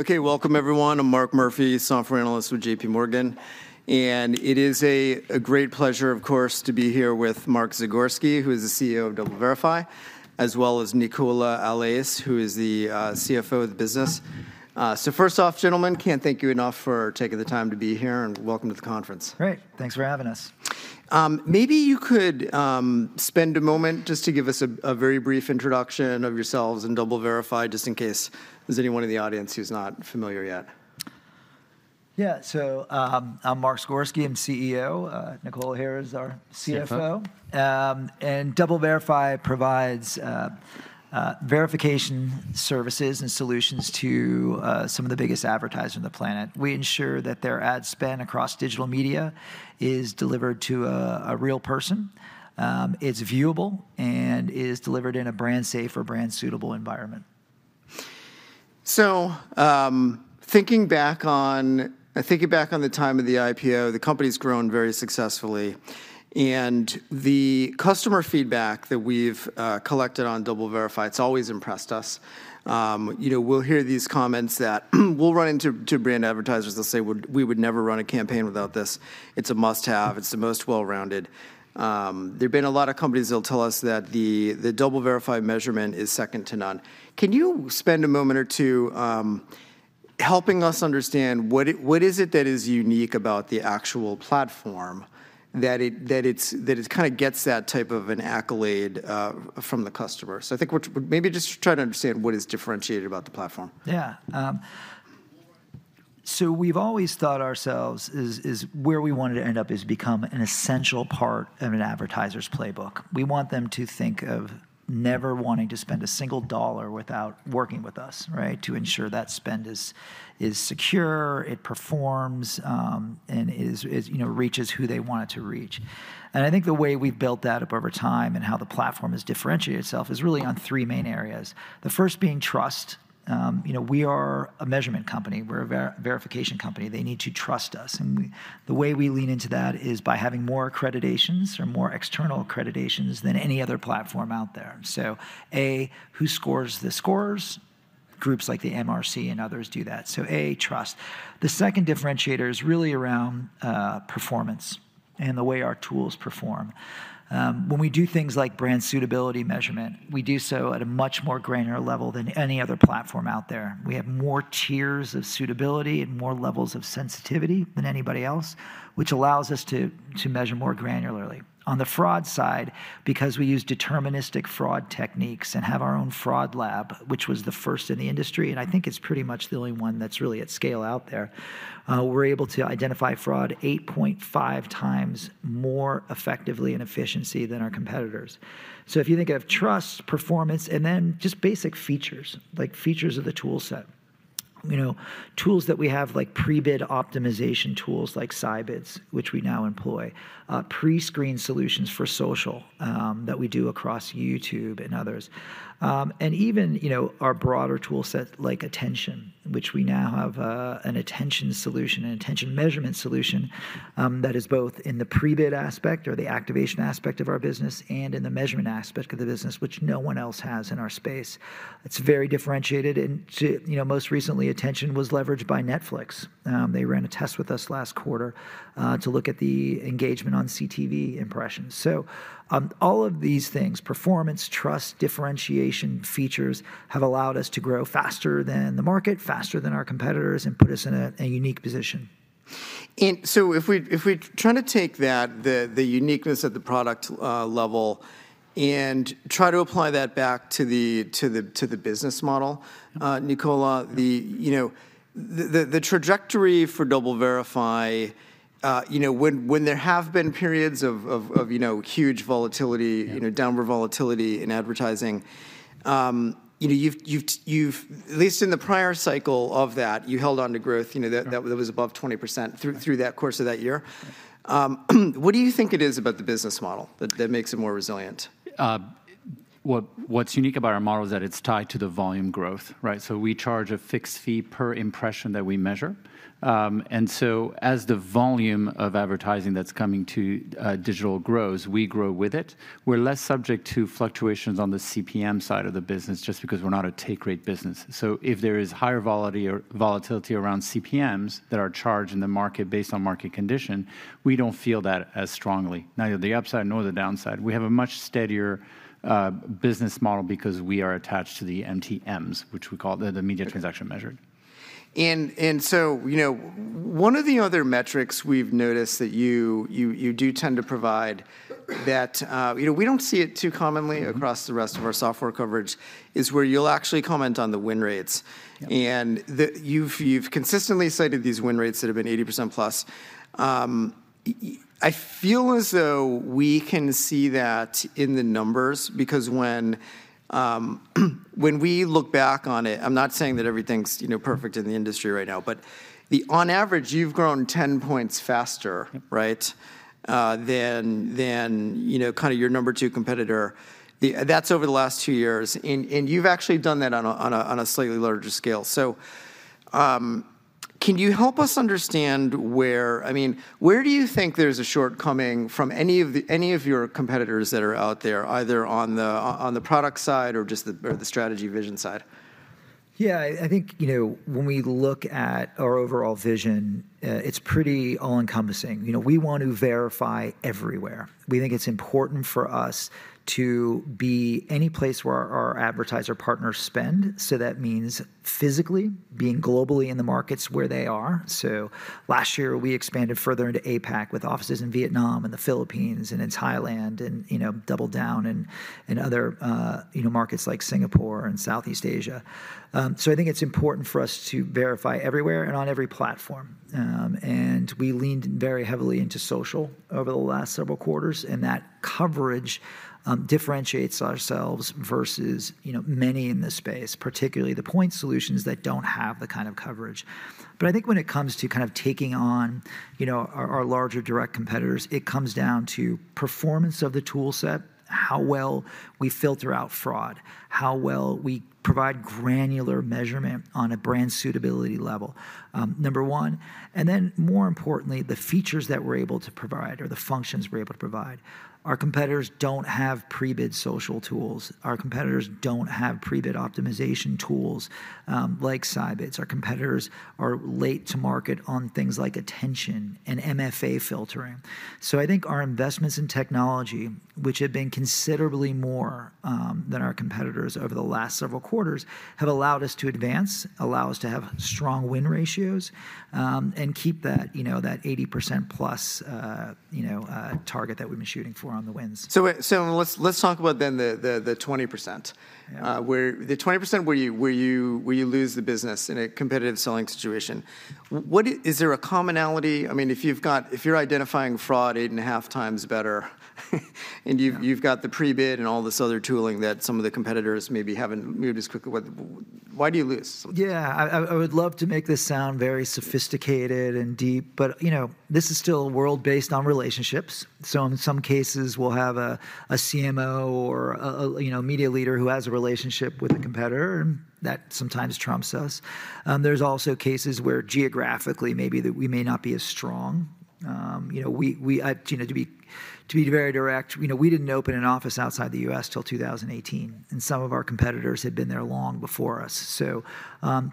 Okay, welcome everyone. I'm Mark Murphy, software analyst with J.P. Morgan, and it is a great pleasure, of course, to be here with Mark Zagorski, who is the CEO of DoubleVerify, as well as Nicola Allais, who is the CFO of the business. So first off, gentlemen, can't thank you enough for taking the time to be here, and welcome to the conference. Great. Thanks for having us. Maybe you could spend a moment just to give us a very brief introduction of yourselves and DoubleVerify, just in case there's anyone in the audience who's not familiar yet. Yeah. So, I'm Mark Zagorski. I'm CEO. Nicola here is our CFO. CFO. DoubleVerify provides verification services and solutions to some of the biggest advertisers on the planet. We ensure that their ad spend across digital media is delivered to a real person, is viewable, and is delivered in a brand-safe or brand-suitable environment. So, thinking back on, thinking back on the time of the IPO, the company's grown very successfully, and the customer feedback that we've collected on DoubleVerify, it's always impressed us. You know, we'll hear these comments that we'll run into brand advertisers, they'll say, "We would never run a campaign without this. It's a must-have. It's the most well-rounded." There've been a lot of companies that'll tell us that the DoubleVerify measurement is second to none. Can you spend a moment or two helping us understand what is it that is unique about the actual platform that it kind of gets that type of an accolade from the customer? So I think maybe just try to understand what is differentiated about the platform. Yeah. So we've always thought ourselves is where we wanted to end up is become an essential part of an advertiser's playbook. We want them to think of never wanting to spend a single dollar without working with us, right? To ensure that spend is secure, it performs, and is you know, reaches who they want it to reach. And I think the way we've built that up over time and how the platform has differentiated itself is really on three main areas. The first being trust. You know, we are a measurement company. We're a verification company. They need to trust us, and the way we lean into that is by having more accreditations or more external accreditations than any other platform out there. So, A, who scores the scores? Groups like the MRC and others do that. So A, trust. The second differentiator is really around performance and the way our tools perform. When we do things like brand suitability measurement, we do so at a much more granular level than any other platform out there. We have more tiers of suitability and more levels of sensitivity than anybody else, which allows us to measure more granularly. On the fraud side, because we use deterministic fraud techniques and have our own fraud lab, which was the first in the industry, and I think it's pretty much the only one that's really at scale out there, we're able to identify fraud 8.5 times more effectively and efficiency than our competitors. So if you think of trust, performance, and then just basic features, like features of the tool set. You know, tools that we have, like pre-bid optimization tools, like Scibids, which we now employ, pre-screen solutions for social, that we do across YouTube and others. And even, you know, our broader tool set, like Attention, which we now have, an attention solution, an attention measurement solution, that is both in the pre-bid aspect or the activation aspect of our business and in the measurement aspect of the business, which no one else has in our space. It's very differentiated, and to, you know, most recently, Attention was leveraged by Netflix. They ran a test with us last quarter, to look at the engagement on CTV impressions. So, all of these things, performance, trust, differentiation, features, have allowed us to grow faster than the market, faster than our competitors, and put us in a, a unique position. And so if we try to take that, the uniqueness of the product level and try to apply that back to the business model, Nicola- Mm-hmm... you know, the trajectory for DoubleVerify, you know, when there have been periods of, you know, huge volatility- Yeah... you know, downward volatility in advertising, you know, you've at least in the prior cycle of that, you held onto growth, you know- Right... that was above 20% through- Right... through that course of that year. What do you think it is about the business model that makes it more resilient? What's unique about our model is that it's tied to the volume growth, right? So we charge a fixed fee per impression that we measure. And so as the volume of advertising that's coming to digital grows, we grow with it. We're less subject to fluctuations on the CPM side of the business, just because we're not a take-rate business. So if there is higher volatility or volatility around CPMs that are charged in the market based on market condition, we don't feel that as strongly, neither the upside nor the downside. We have a much steadier business model because we are attached to the MTMs, which we call the Media Transactions Measured. So, you know, one of the other metrics we've noticed that you do tend to provide that, you know, we don't see it too commonly- Mm-hmm... across the rest of our software coverage, is where you'll actually comment on the win rates. Yeah. And you've consistently cited these win rates that have been 80% plus. I feel as though we can see that in the numbers, because when we look back on it, I'm not saying that everything's, you know, perfect in the industry right now, but on average, you've grown 10 points faster- Mm... right? Than you know, kind of your number two competitor. That's over the last two years, and you've actually done that on a slightly larger scale. So... Can you help us understand where, I mean, where do you think there's a shortcoming from any of your competitors that are out there, either on the product side or the strategy vision side? Yeah, I think, you know, when we look at our overall vision, it's pretty all-encompassing. You know, we want to verify everywhere. We think it's important for us to be any place where our advertiser partners spend, so that means physically being globally in the markets where they are. So last year, we expanded further into APAC with offices in Vietnam, and the Philippines, and in Thailand, and, you know, doubled down in other, you know, markets like Singapore and Southeast Asia. So I think it's important for us to verify everywhere and on every platform. And we leaned very heavily into social over the last several quarters, and that coverage differentiates ourselves versus, you know, many in this space, particularly the point solutions that don't have the kind of coverage. But I think when it comes to kind of taking on, you know, our, our larger direct competitors, it comes down to performance of the tool set, how well we filter out fraud, how well we provide granular measurement on a brand suitability level, number one, and then more importantly, the features that we're able to provide or the functions we're able to provide. Our competitors don't have pre-bid social tools. Our competitors don't have pre-bid optimization tools, like SciBids. Our competitors are late to market on things like attention and MFA filtering. I think our investments in technology, which have been considerably more than our competitors over the last several quarters, have allowed us to advance, allow us to have strong win ratios, and keep that, you know, that 80%+ target that we've been shooting for on the wins. So, let's talk about then the 20%. Yeah. Where the 20% where you lose the business in a competitive selling situation, what is there a commonality? I mean, if you're identifying fraud 8.5 times better and you've- Yeah... you've got the pre-bid and all this other tooling that some of the competitors maybe haven't moved as quickly, why do you lose? Yeah. I would love to make this sound very sophisticated and deep, but, you know, this is still a world based on relationships, so in some cases we'll have a CMO or a, you know, media leader who has a relationship with a competitor, and that sometimes trumps us. There's also cases where geographically, maybe that we may not be as strong. You know, we, I, you know, to be very direct, you know, we didn't open an office outside the U.S. till 2018, and some of our competitors had been there long before us. So,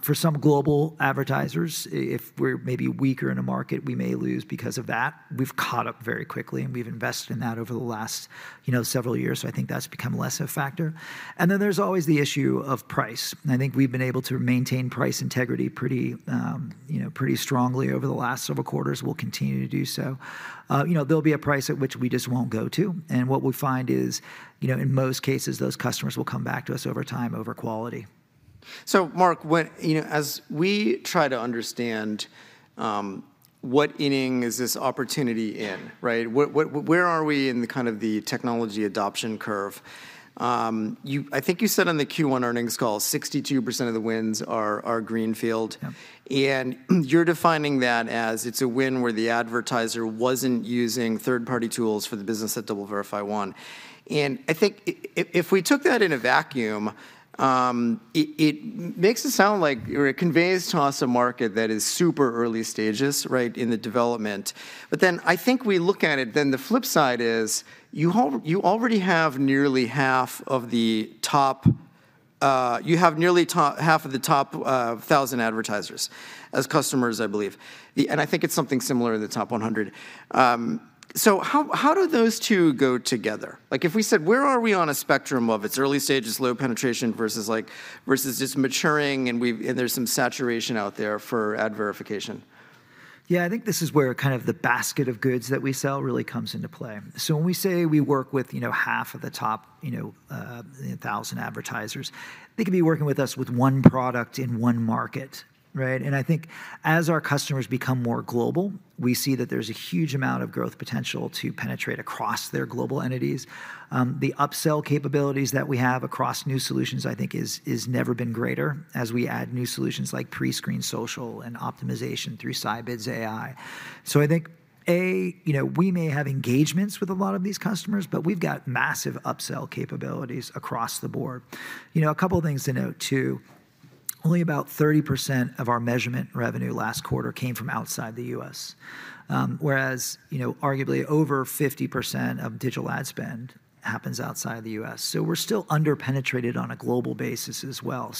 for some global advertisers, if we're maybe weaker in a market, we may lose because of that. We've caught up very quickly, and we've invested in that over the last, you know, several years, so I think that's become less of a factor. And then there's always the issue of price, and I think we've been able to maintain price integrity pretty, you know, pretty strongly over the last several quarters. We'll continue to do so. You know, there'll be a price at which we just won't go to, and what we find is, you know, in most cases, those customers will come back to us over time, over quality. So Mark, what... You know, as we try to understand what inning is this opportunity in, right? What, where are we in the kind of the technology adoption curve? I think you said on the Q1 earnings call, 62% of the wins are greenfield. Yep. You're defining that as it's a win where the advertiser wasn't using third-party tools for the business that DoubleVerify won. I think if we took that in a vacuum, it makes it sound like, or it conveys to us a market that is super early stages, right, in the development. But then I think we look at it, then the flip side is you already have nearly half of the top 1,000 advertisers as customers, I believe. And I think it's something similar in the top 100. So how do those two go together? Like, if we said, where are we on a spectrum of it's early stages, low penetration, versus just maturing and we've, and there's some saturation out there for ad verification? Yeah, I think this is where kind of the basket of goods that we sell really comes into play. So when we say we work with, you know, half of the top, you know, 1,000 advertisers, they could be working with us with one product in one market, right? And I think as our customers become more global, we see that there's a huge amount of growth potential to penetrate across their global entities. The upsell capabilities that we have across new solutions, I think, is never been greater as we add new solutions like pre-screened social and optimization through SciBids' AI. So I think, A, you know, we may have engagements with a lot of these customers, but we've got massive upsell capabilities across the board. You know, a couple things to note, too. Only about 30% of our measurement revenue last quarter came from outside the US, whereas, you know, arguably over 50% of digital ad spend happens outside the US. So we're still under-penetrated on a global basis as well.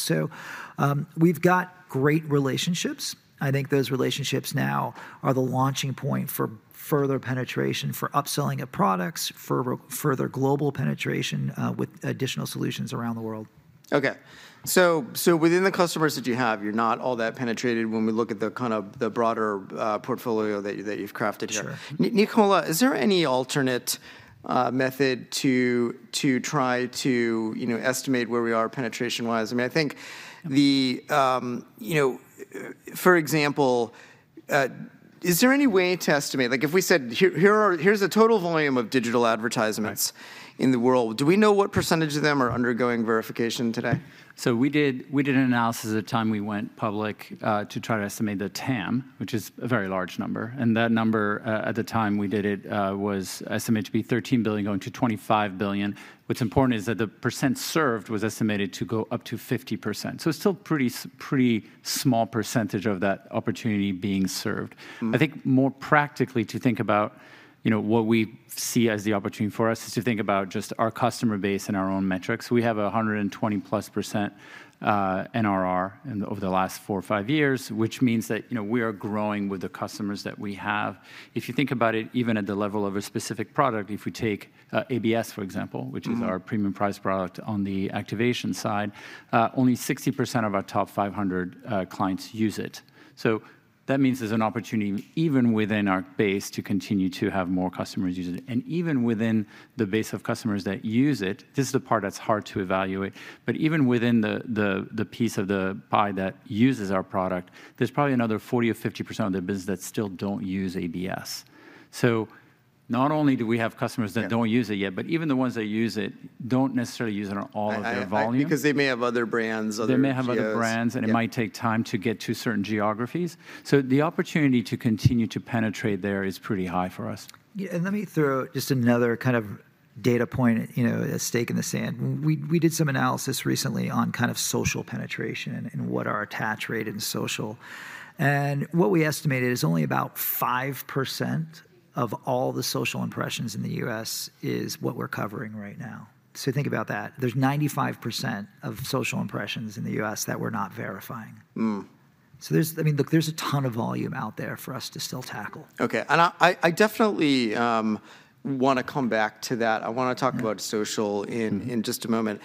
We've got great relationships. I think those relationships now are the launching point for further penetration, for upselling of products, further global penetration, with additional solutions around the world. Okay. So within the customers that you have, you're not all that penetrated when we look at the kind of the broader, portfolio that you, that you've crafted here. Sure. Nicola, is there any alternate method to try to, you know, estimate where we are penetration-wise? I mean, I think, you know, for example, is there any way to estimate, like if we said, "Here's the total volume of digital advertisements- Right “in the world,” do we know what percentage of them are undergoing verification today? So we did, we did an analysis at the time we went public, to try to estimate the TAM, which is a very large number, and that number, at the time we did it, was estimated to be $13 billion-$25 billion. What's important is that the percent served was estimated to go up to 50%, so it's still pretty small percentage of that opportunity being served. Mm. I think more practically, to think about, you know, what we see as the opportunity for us, is to think about just our customer base and our own metrics. We have 120%+ NRR over the last four or five years, which means that, you know, we are growing with the customers that we have. If you think about it, even at the level of a specific product, if we take ABS, for example- Mm... which is our premium price product on the activation side, only 60% of our top 500 clients use it. So that means there's an opportunity, even within our base, to continue to have more customers using it. And even within the base of customers that use it, this is the part that's hard to evaluate, but even within the piece of the pie that uses our product, there's probably another 40% or 50% of the business that still don't use ABS. So not only do we have customers that- Yeah... don't use it yet, but even the ones that use it don't necessarily use it on all of their volume. Because they may have other brands, other geos. They may have other brands- Yeah... and it might take time to get to certain geographies. So the opportunity to continue to penetrate there is pretty high for us. Yeah, and let me throw out just another kind of data point, you know, a stake in the sand. We, we did some analysis recently on kind of social penetration and what our attach rate in social, and what we estimated is only about 5% of all the social impressions in the US is what we're covering right now. So think about that. There's 95% of social impressions in the US that we're not verifying. Mm. There's... I mean, look, there's a ton of volume out there for us to still tackle. Okay, and I definitely wanna come back to that. I wanna talk about- Mm... social in- Mm... in just a moment.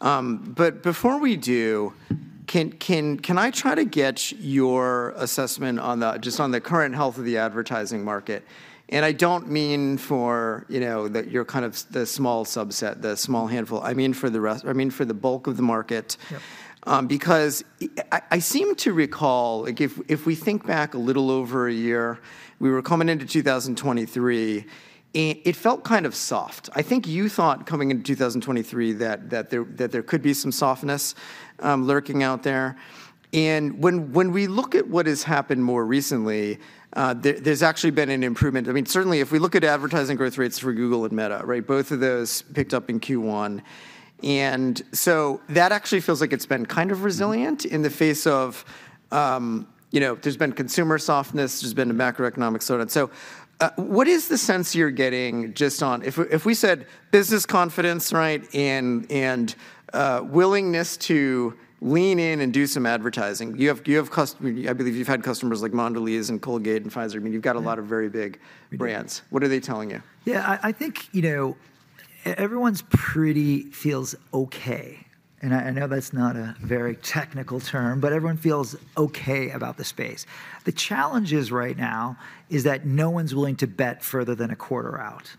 But before we do, can I try to get your assessment on just the current health of the advertising market? I don't mean for, you know, your kind of small subset, the small handful. I mean for the rest, I mean for the bulk of the market. Yep. Because I seem to recall, like if we think back a little over a year, we were coming into 2023, and it felt kind of soft. I think you thought, coming into 2023, that there could be some softness lurking out there. And when we look at what has happened more recently, there's actually been an improvement. I mean, certainly if we look at advertising growth rates for Google and Meta, right? Both of those picked up in Q1, and so that actually feels like it's been kind of resilient in the face of, you know, there's been consumer softness, there's been a macroeconomic slowdown. So, what is the sense you're getting just on... If we, if we said business confidence, right, and willingness to lean in and do some advertising, you have, you have I believe you've had customers like Mondelēz and Colgate and Pfizer. I mean, you've got a lot of very big- We do... brands. What are they telling you? Yeah, I think, you know, everyone's pretty feels okay, and I know that's not a very technical term, but everyone feels okay about the space. The challenge right now is that no one's willing to bet further than a quarter out.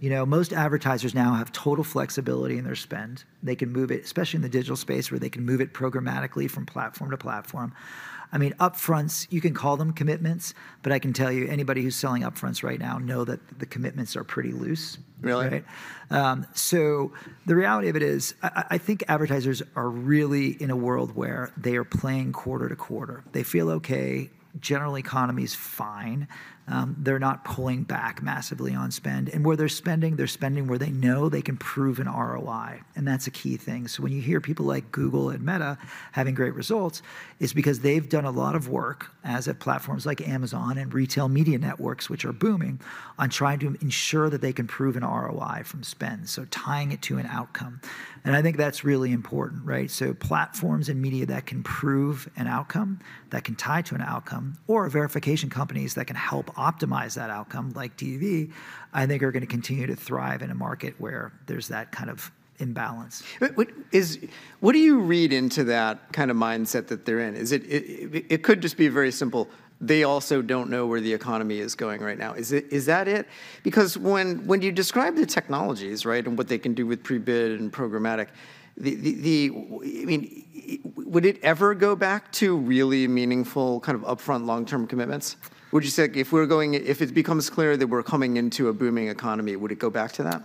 You know, most advertisers now have total flexibility in their spend. They can move it, especially in the digital space, where they can move it programmatically from platform to platform. I mean, Upfronts, you can call them commitments, but I can tell you, anybody who's selling Upfronts right now know that the commitments are pretty loose. Really? Right? So the reality of it is, I think advertisers are really in a world where they are playing quarter to quarter. They feel okay, generally economy's fine. They're not pulling back massively on spend, and where they're spending, they're spending where they know they can prove an ROI, and that's a key thing. So when you hear people like Google and Meta having great results, it's because they've done a lot of work, as have platforms like Amazon and retail media networks, which are booming, on trying to ensure that they can prove an ROI from spend, so tying it to an outcome, and I think that's really important, right? Platforms and media that can prove an outcome, that can tie to an outcome, or verification companies that can help optimize that outcome, like TV, I think are gonna continue to thrive in a market where there's that kind of imbalance. But what is, what do you read into that kind of mindset that they're in? Is it? It could just be very simple, they also don't know where the economy is going right now. Is it? Is that it? Because when you describe the technologies, right, and what they can do with pre-bid and programmatic, I mean, would it ever go back to really meaningful, kind of upfront long-term commitments? Would you say, like if we're going, if it becomes clear that we're coming into a booming economy, would it go back to that?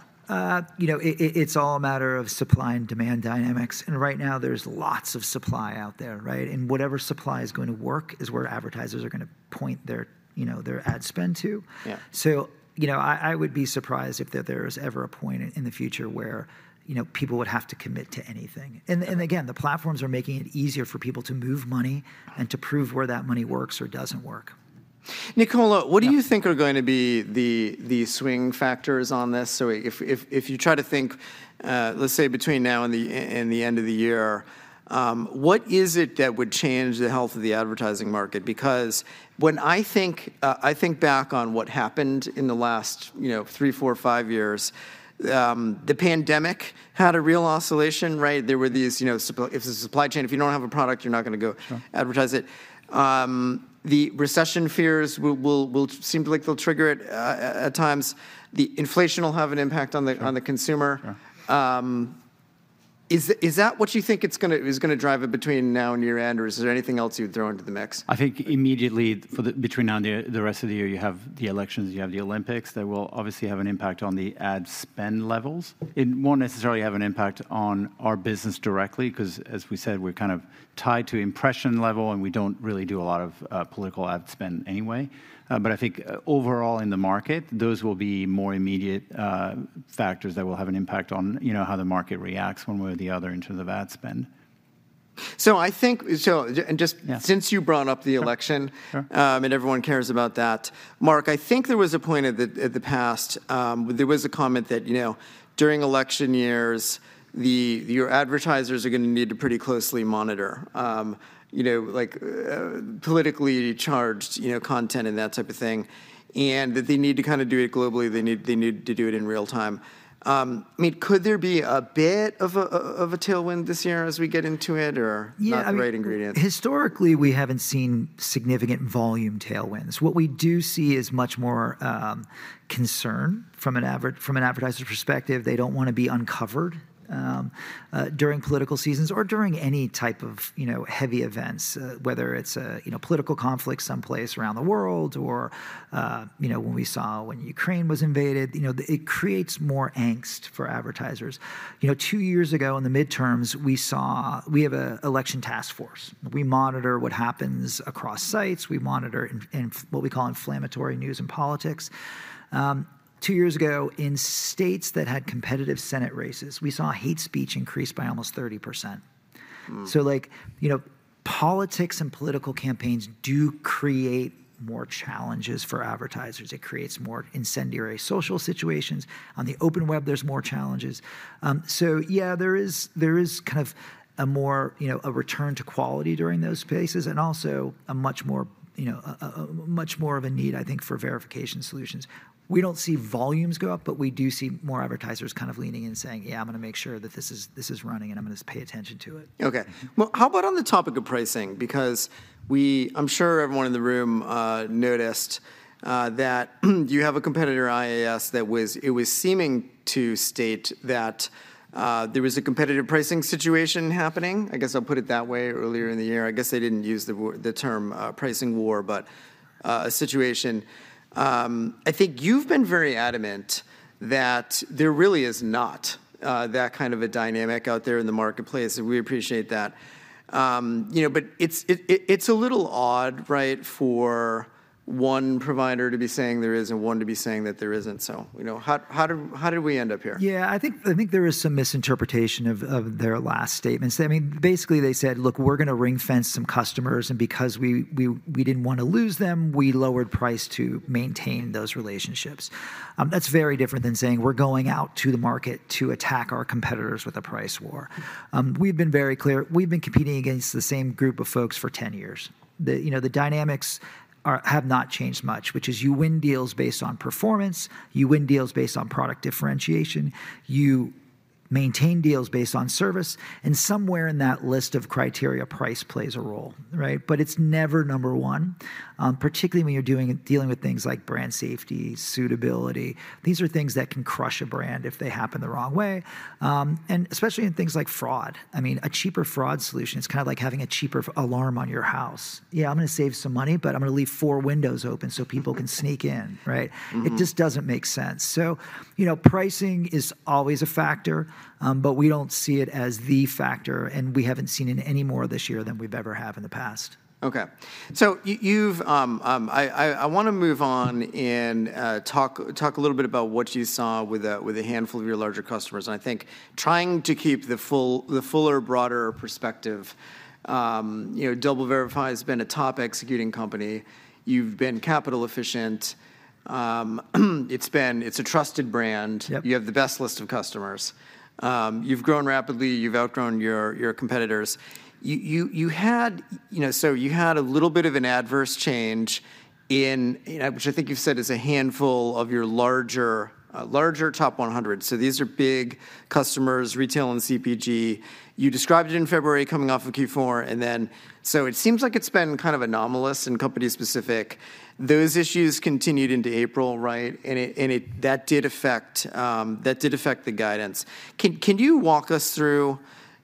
You know, it's all a matter of supply and demand dynamics, and right now there's lots of supply out there, right? And whatever supply is going to work is where advertisers are gonna point their, you know, their ad spend to. Yeah. So, you know, I would be surprised if there is ever a point in the future where, you know, people would have to commit to anything. Right. And, and again, the platforms are making it easier for people to move money and to prove where that money works or doesn't work. Nicola- Yeah... what do you think are going to be the swing factors on this? So if you try to think, let's say between now and the end of the year, what is it that would change the health of the advertising market? Because when I think, I think back on what happened in the last, you know, three, four, five years, the pandemic had a real oscillation, right? There were these, you know, supply chain, if you don't have a product, you're not gonna go- Sure... advertise it. The recession fears will seem like they'll trigger it at times. The inflation will have an impact on the- Sure... on the consumer. Yeah.... Is that what you think it's gonna drive it between now and year end, or is there anything else you'd throw into the mix? I think immediately, between now and the rest of the year, you have the elections, you have the Olympics. That will obviously have an impact on the ad spend levels. It won't necessarily have an impact on our business directly, 'cause as we said, we're kind of tied to impression level, and we don't really do a lot of political ad spend anyway. But I think overall in the market, those will be more immediate factors that will have an impact on, you know, how the market reacts one way or the other in terms of ad spend. So I think, and just- Yeah... since you brought up the election- Sure, sure... and everyone cares about that, Mark. I think there was a point in the past, there was a comment that, you know, during election years, your advertisers are gonna need to pretty closely monitor, you know, like, politically charged, you know, content and that type of thing. And that they need to kind of do it globally, they need to do it in real time. I mean, could there be a bit of a tailwind this year as we get into it, or- Yeah, I mean- not the right ingredient? Historically, we haven't seen significant volume tailwinds. What we do see is much more concern from an advertiser's perspective. They don't wanna be uncovered during political seasons or during any type of, you know, heavy events, whether it's a, you know, political conflict someplace around the world or, you know, when we saw when Ukraine was invaded. You know, it creates more angst for advertisers. You know, two years ago in the midterms, we saw we have an election task force. We monitor what happens across sites, we monitor in what we call inflammatory news and politics. Two years ago, in states that had competitive Senate races, we saw hate speech increase by almost 30%. Mm. So, like, you know, politics and political campaigns do create more challenges for advertisers. It creates more incendiary social situations. On the open web, there's more challenges. So yeah, there is, there is kind of a more, you know, a return to quality during those phases and also a much more, you know, a much more of a need, I think, for verification solutions. We don't see volumes go up, but we do see more advertisers kind of leaning in, saying: "Yeah, I'm gonna make sure that this is, this is running, and I'm gonna pay attention to it. Okay. Well, how about on the topic of pricing? Because I'm sure everyone in the room noticed that you have a competitor, IAS, that was seeming to state that there was a competitive pricing situation happening, I guess I'll put it that way, earlier in the year. I guess they didn't use the term pricing war, but a situation. I think you've been very adamant that there really is not that kind of a dynamic out there in the marketplace, and we appreciate that. You know, but it's a little odd, right, for one provider to be saying there is and one to be saying that there isn't. So, you know, how did we end up here? Yeah, I think there is some misinterpretation of their last statements. I mean, basically, they said: "Look, we're gonna ring-fence some customers, and because we didn't wanna lose them, we lowered price to maintain those relationships." That's very different than saying: "We're going out to the market to attack our competitors with a price war." We've been very clear. We've been competing against the same group of folks for 10 years. You know, the dynamics have not changed much, which is you win deals based on performance, you win deals based on product differentiation, you maintain deals based on service, and somewhere in that list of criteria, price plays a role, right? But it's never number one, particularly when you're dealing with things like brand safety, suitability. These are things that can crush a brand if they happen the wrong way, and especially in things like fraud. I mean, a cheaper fraud solution, it's kind of like having a cheaper alarm on your house. "Yeah, I'm gonna save some money, but I'm gonna leave four windows open so people can sneak in," right? Mm-hmm. It just doesn't make sense. So, you know, pricing is always a factor, but we don't see it as the factor, and we haven't seen it any more this year than we've ever have in the past. Okay. So you've... I wanna move on and talk a little bit about what you saw with a handful of your larger customers, and I think trying to keep the full, the fuller, broader perspective. You know, DoubleVerify has been a top executing company. You've been capital efficient. It's been, it's a trusted brand. Yep. You have the best list of customers. You've grown rapidly, you've outgrown your competitors. You had, you know, so you had a little bit of an adverse change in, which I think you've said is a handful of your larger top 100. So these are big customers, retail and CPG. You described it in February coming off of Q4, and then... So it seems like it's been kind of anomalous and company specific. Those issues continued into April, right? And it, that did affect the guidance. Can you walk us through,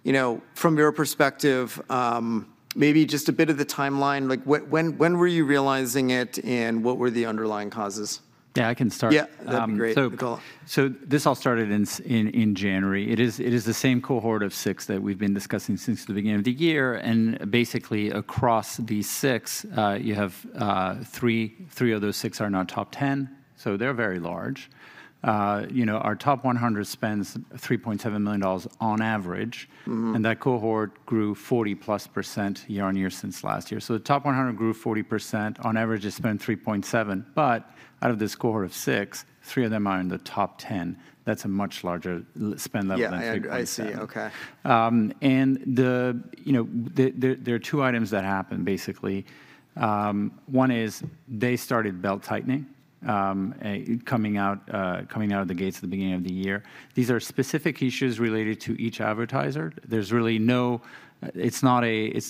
you know, from your perspective, maybe just a bit of the timeline? Like, what, when were you realizing it, and what were the underlying causes? Yeah, I can start. Yeah, that'd be great. Um, so- Go. So this all started in January. It is the same cohort of six that we've been discussing since the beginning of the year, and basically, across these six, you have three of those six are in our top 10, so they're very large. You know, our top 100 spends $3.7 million on average. Mm-hmm. That cohort grew 40%+ year-on-year since last year. The top 100 grew 40%. On average, they spend $3.7, but out of this cohort of 6, 3 of them are in the top 10. That's a much larger spend level than $3.7. Yeah, I see. Okay. And the, you know, there are two items that happened, basically. One is they started belt-tightening, coming out of the gates at the beginning of the year. These are specific issues related to each advertiser. There's really no—it's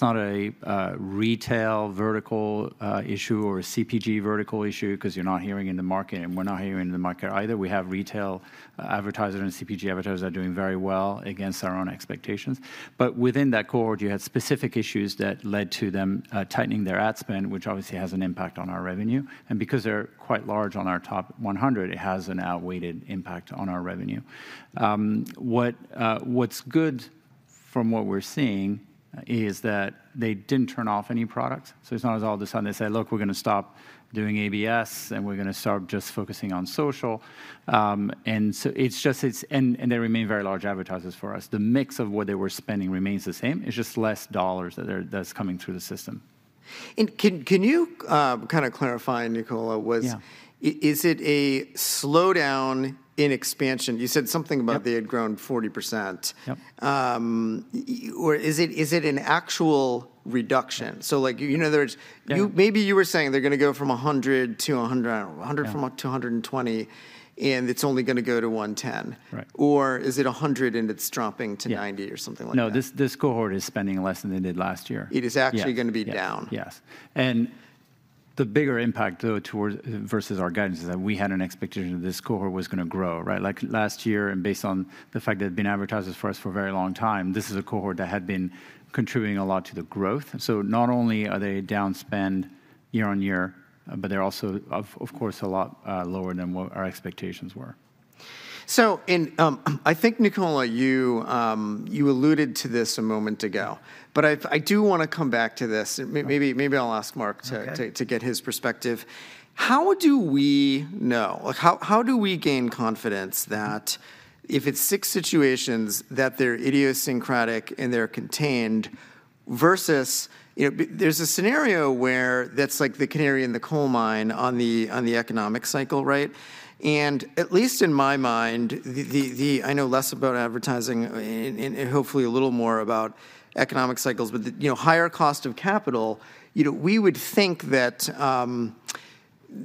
not a retail vertical issue or a CPG vertical issue, 'cause you're not hearing in the market, and we're not hearing in the market either. We have retail advertisers and CPG advertisers that are doing very well against our own expectations. But within that cohort, you had specific issues that led to them tightening their ad spend, which obviously has an impact on our revenue, and because they're quite large on our top 100, it has an outweighted impact on our revenue. What's good from what we're seeing is that they didn't turn off any products, so it's not as all of a sudden they say, "Look, we're gonna stop doing ABS, and we're gonna start just focusing on social." And so it's just, and they remain very large advertisers for us. The mix of what they were spending remains the same. It's just less dollars that they're that's coming through the system. Can you kind of clarify, Nicola, was- Yeah. Is it a slowdown in expansion? You said something about. Yep... they had grown 40%. Yep. Or is it, is it an actual reduction? So, like, you know, there's- Yeah... you, maybe you were saying they're gonna go from 100 to 100, I don't know- Yeah... 100 from to 220, and it's only gonna go to 110. Right. Or is it 100 and it's dropping to 90- Yeah... or something like that? No, this, this cohort is spending less than they did last year. It is actually- Yeah... gonna be down? Yes, yes. And the bigger impact, though, towards versus our guidance is that we had an expectation that this cohort was gonna grow, right? Like, last year, and based on the fact they've been advertisers for us for a very long time, this is a cohort that had been contributing a lot to the growth. So not only are they downspend year on year, but they're also of course a lot lower than what our expectations were. I think, Nicola, you alluded to this a moment ago, but I do wanna come back to this. And maybe, maybe I'll ask Mark- Okay... to get his perspective. How do we know? Like, how do we gain confidence that if it's six situations, that they're idiosyncratic, and they're contained, versus, you know, but there's a scenario where that's like the canary in the coal mine on the economic cycle, right? And at least in my mind, I know less about advertising and hopefully a little more about economic cycles. But the higher cost of capital, you know, we would think that,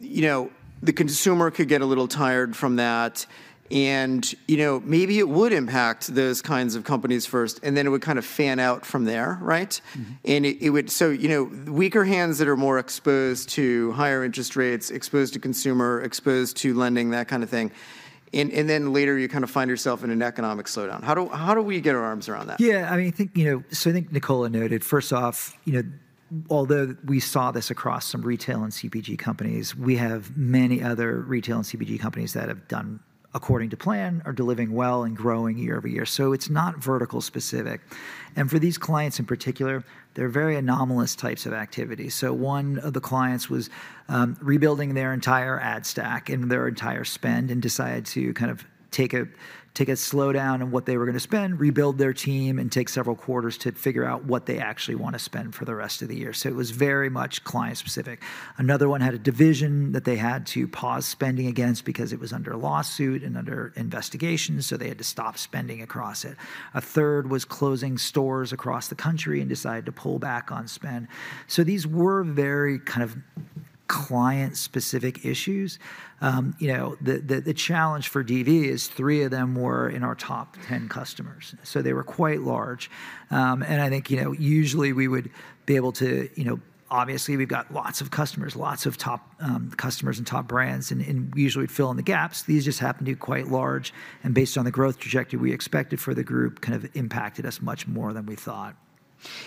you know, the consumer could get a little tired from that, and, you know, maybe it would impact those kinds of companies first, and then it would kind of fan out from there, right? Mm-hmm. It would, so you know, weaker hands that are more exposed to higher interest rates, exposed to consumer, exposed to lending, that kind of thing, and then later you kind of find yourself in an economic slowdown. How do we get our arms around that? Yeah, I mean, I think, you know... So I think Nicola noted, first off, you know, although we saw this across some retail and CPG companies, we have many other retail and CPG companies that have done according to plan, are delivering well, and growing year-over-year. So it's not vertical specific. And for these clients in particular, they're very anomalous types of activities. So one of the clients was rebuilding their entire ad stack and their entire spend and decided to kind of take a slowdown in what they were gonna spend, rebuild their team, and take several quarters to figure out what they actually wanna spend for the rest of the year. So it was very much client-specific. Another one had a division that they had to pause spending against because it was under lawsuit and under investigation, so they had to stop spending across it. A third was closing stores across the country and decided to pull back on spend. So these were very kind of client-specific issues. You know, the challenge for DV is three of them were in our top ten customers, so they were quite large. And I think, you know, usually we would be able to, you know, obviously, we've got lots of customers, lots of top customers and top brands, and we usually fill in the gaps. These just happened to be quite large, and based on the growth trajectory we expected for the group, kind of impacted us much more than we thought.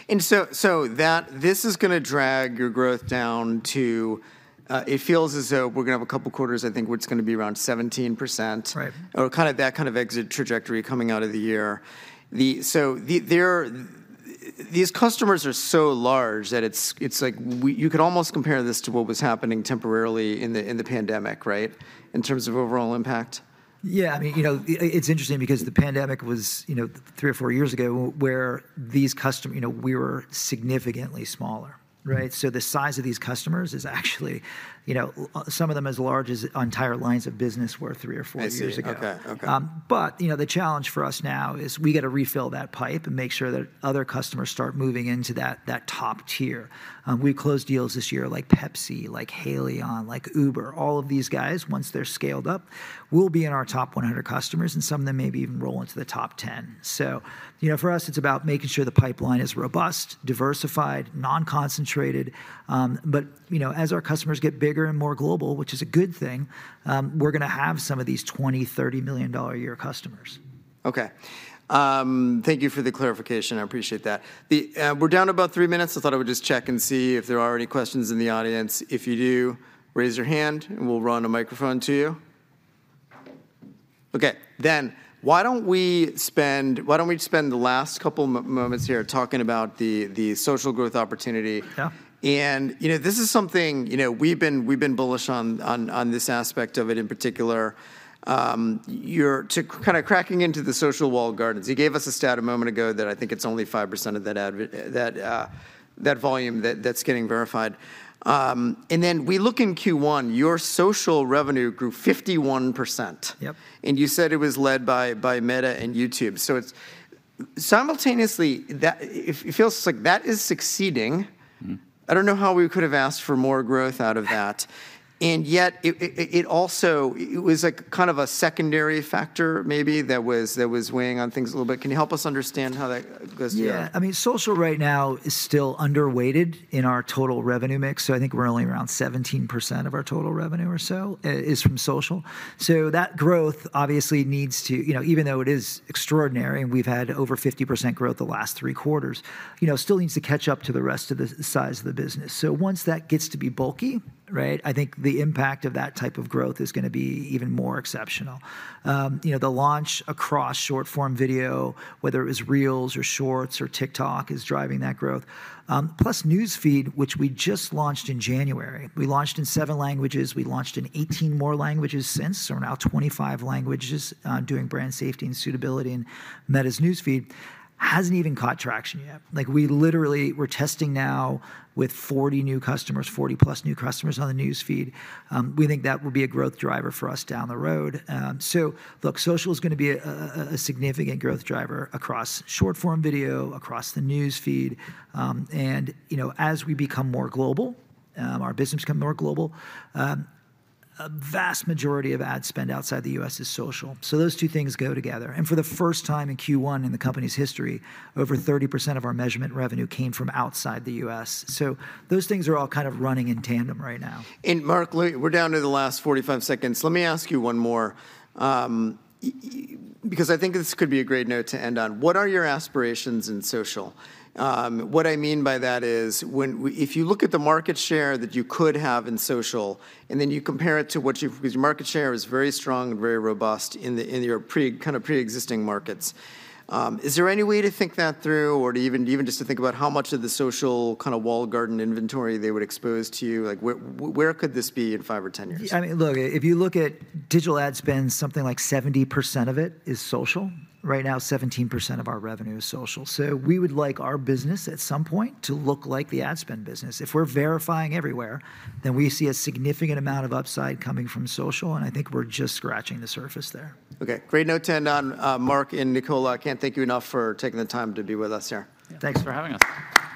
And so, this is gonna drag your growth down to it feels as though we're gonna have a couple of quarters, I think, where it's gonna be around 17%. Right. Or kind of, that kind of exit trajectory coming out of the year. These customers are so large that it's like you could almost compare this to what was happening temporarily in the pandemic, right? In terms of overall impact. Yeah, I mean, you know, it's interesting because the pandemic was, you know, 3 or 4 years ago, where these custom—you know, we were significantly smaller. Right. The size of these customers is actually, you know, some of them as large as entire lines of business were three or four years ago. I see. Okay, okay. But, you know, the challenge for us now is we've got to refill that pipe and make sure that other customers start moving into that, that top tier. We closed deals this year like Pepsi, like Haleon, like Uber. All of these guys, once they're scaled up, will be in our top 100 customers, and some of them maybe even roll into the top 10. So, you know, for us, it's about making sure the pipeline is robust, diversified, non-concentrated, but, you know, as our customers get bigger and more global, which is a good thing, we're gonna have some of these $20-$30 million a year customers. Okay. Thank you for the clarification. I appreciate that. The, we're down to about three minutes. I thought I would just check and see if there are any questions in the audience. If you do, raise your hand, and we'll run a microphone to you. Okay, then, why don't we spend the last couple moments here talking about the social growth opportunity? Yeah. You know, this is something, you know, we've been bullish on this aspect of it in particular. You're kind of cracking into the social walled gardens. You gave us a stat a moment ago that I think it's only 5% of that volume that's getting verified. And then we look in Q1, your social revenue grew 51%. Yep. And you said it was led by Meta and YouTube, so it's simultaneously that it feels like that is succeeding. Mm-hmm. I don't know how we could have asked for more growth out of that, and yet it also, it was, like, kind of a secondary factor maybe that was weighing on things a little bit. Can you help us understand how that goes together? Yeah, I mean, social right now is still underweighted in our total revenue mix, so I think we're only around 17% of our total revenue or so is from social. So that growth obviously needs to... You know, even though it is extraordinary, and we've had over 50% growth the last three quarters, you know, still needs to catch up to the rest of the size of the business. So once that gets to be bulky, right? I think the impact of that type of growth is gonna be even more exceptional. You know, the launch across short-form video, whether it was Reels or Shorts or TikTok, is driving that growth. Plus News Feed, which we just launched in January, we launched in 7 languages. We launched in 18 more languages since, so we're now 25 languages, doing brand safety and suitability, and Meta's News Feed hasn't even caught traction yet. Like, we literally- we're testing now with 40 new customers, 40-plus new customers on the News Feed. We think that will be a growth driver for us down the road. So look, social is gonna be a, a, a significant growth driver across short-form video, across the News Feed. And, you know, as we become more global, our business become more global, a vast majority of ad spend outside the U.S. is social, so those two things go together. And for the first time in Q1 in the company's history, over 30% of our measurement revenue came from outside the U.S. So those things are all kind of running in tandem right now. And Mark, we're down to the last 45 seconds. Let me ask you one more, because I think this could be a great note to end on. What are your aspirations in social? What I mean by that is when, if you look at the market share that you could have in social, and then you compare it to what you've... Because your market share is very strong and very robust in your kind of pre-existing markets. Is there any way to think that through or to even, even just to think about how much of the social kind of walled garden inventory they would expose to you? Like, where, where could this be in 5 or 10 years? I mean, look, if you look at digital ad spend, something like 70% of it is social. Right now, 17% of our revenue is social. So we would like our business at some point to look like the ad spend business. If we're verifying everywhere, then we see a significant amount of upside coming from social, and I think we're just scratching the surface there. Okay, great note to end on. Mark and Nicola, I can't thank you enough for taking the time to be with us here. Yeah. Thanks for having us.